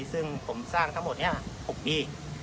ซึ่งผมสร้างทั้งหมดนี้๖ปี